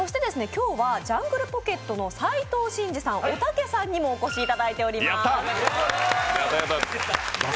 今日はジャングルポケットの斉藤慎二さん、おたけさんにもお越しいただいています。